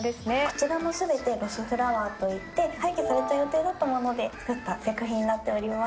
こちらも全てロスフラワーといって廃棄される予定だったもので作った作品になっております。